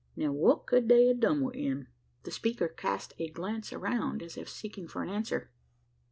Now, what ked they a done wi' him?" The speaker cast a glance around, as if seeking for an answer.